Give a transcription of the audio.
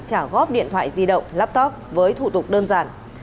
trả góp điện thoại di động laptop với thủ tục đơn giản